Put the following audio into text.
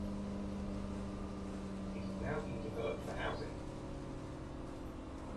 It is now being developed for housing.